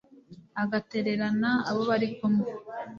agatererana abo bari kumwe